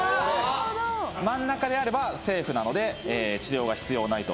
真ん中であればセーフなので治療は必要ないと。